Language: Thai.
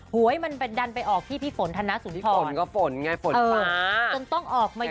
หัวให้มันันไปออกที่พี่ฝนธนสุภรรณ์